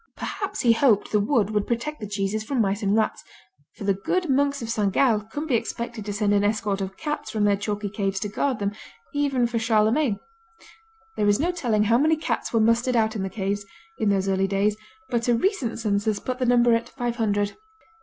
Perhaps he hoped the wood would protect the cheeses from mice and rats, for the good monks of Saint Gall couldn't be expected to send an escort of cats from their chalky caves to guard them even for Charlemagne. There is no telling how many cats were mustered out in the caves, in those early days, but a recent census put the number at five hundred.